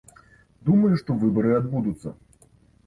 Думаю, што выбары адбудуцца.